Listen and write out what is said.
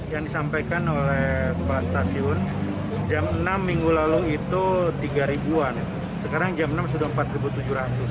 yang disampaikan oleh kepala stasiun jam enam minggu lalu itu tiga an sekarang jam enam sudah rp empat tujuh ratus